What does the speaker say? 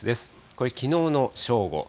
これ、きのうの正午。